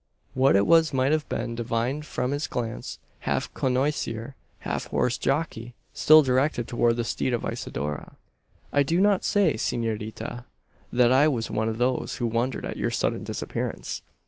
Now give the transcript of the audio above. What it was might have been divined from his glance half connoisseur, half horse jockey still directed toward the steed of Isidora. "I do not say, senorita, that I was one of those who wondered at your sudden disappearance.